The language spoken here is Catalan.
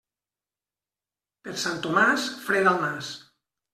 Per Sant Tomàs, fred al nas.